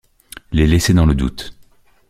Les laisser dans le doute.